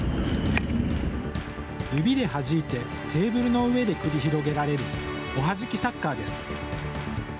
指ではじいてテーブルの上で繰り広げられるおはじきサッカーです。